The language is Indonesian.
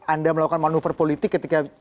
anda melakukan manuver politik ketika